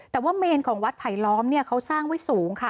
แต่ว่าเมนของวัดไผลล้อมเขาสร้างไว้สูงค่ะ